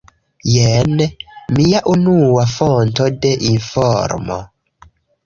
Jen mia unua fonto de informo.